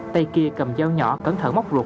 tay kia cầm dao nhỏ cẩn thận móc ruột